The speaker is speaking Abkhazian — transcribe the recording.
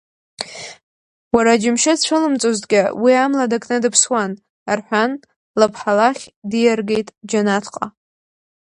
Уара аџьымшьы цәылымҵозҭгьы, уи амла дакны дыԥсуан, — рҳәан, лыԥҳа лахь диаргеит, џьанаҭҟа.